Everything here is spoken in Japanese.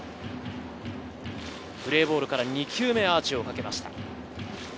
プレーボールから２球目アーチをかけました。